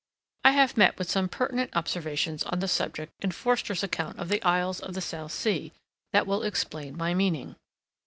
I have met with some pertinent observations on the subject in Forster's Account of the Isles of the South Sea, that will explain my meaning.